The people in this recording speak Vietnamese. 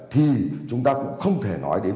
thì chúng ta cũng không thể nói đến